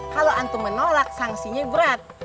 kalau antu menolak sanksinya berat